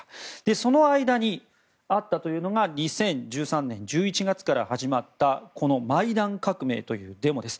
その間に、あったというのが２０１３年１１月から始まったこのマイダン革命というデモです。